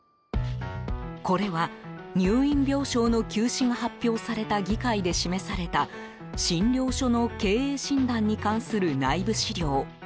これは入院病床の休止が発表された議会で示された診療所の経営診断に関する内部資料。